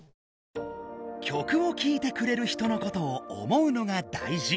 曲をきいてくれる人のことを思うのがだいじ！